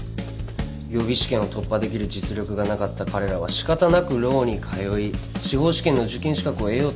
予備試験を突破できる実力がなかった彼らは仕方なくローに通い司法試験の受験資格を得ようとしています。